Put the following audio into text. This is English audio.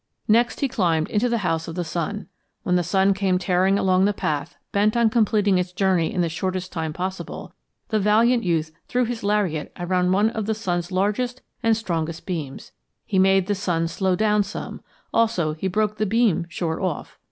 "Next he climbed into the House of the Sun. When the sun came tearing along the path, bent on completing its journey in the shortest time possible, the valiant youth threw his lariat around one of the sun's largest and strongest beams. He made the sun slow down some; also, he broke the beam short off.